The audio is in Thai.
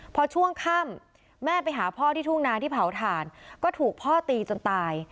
พอช่วงค่ำแม่ไปหาพ่อที่ทุ่งนาที่เผาถ่านก็ถูกพ่อตีจนตาย